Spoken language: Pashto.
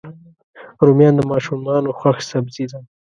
رومیان د ماشومانو خوښ سبزي ده